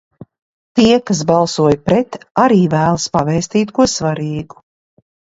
"Tie, kas balsoja "pret", arī vēlas pavēstīt ko svarīgu."